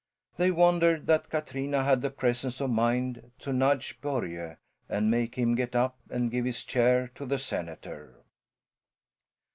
They wondered that Katrina had the presence of mind to nudge Börje, and make him get up and give his chair to the senator.